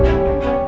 bi ambilin itu dong